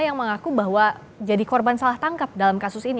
yang mengaku bahwa jadi korban salah tangkap dalam kasus ini